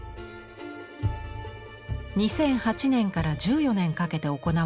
２００８年から１４年かけて行われた大修理。